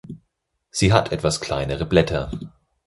Sie hat etwas kleinere Blätter.